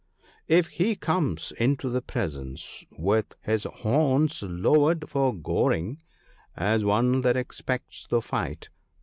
* If he comes into the presence with his horns lowered for goring, as one that expects the fight.